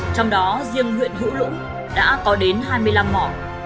trong đó riêng huyện hữu lũng đã có đến hai mươi năm mỏ